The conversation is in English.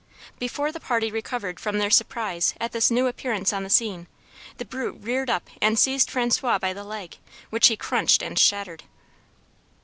Before the party recovered from their surprise at this new appearance on the scene, the brute reared up and seized François by the leg, which he crunched and shattered.